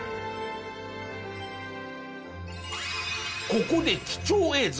ここで貴重映像！